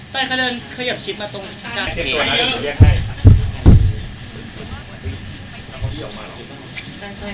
เต้ยเขาเดินขยับชิปมาตรงกลาง